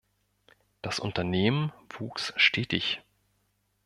Das Unternehmen wuchs stetig.